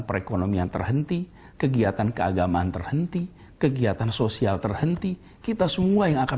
perekonomian terhenti kegiatan keagamaan terhenti kegiatan sosial terhenti kita semua yang akan